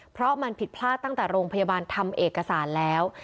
เพราะมันผิดพลาดตั้งแต่โรงพยาบาลทำเอกสารแล้ว